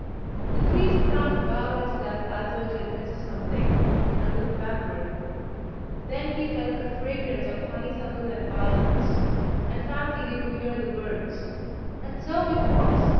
The tree's crown bowed itself as though it had missed something, and looked backward. Then he felt the fragrance of honeysuckle and violets, and fancied he could hear the birds. And so it was!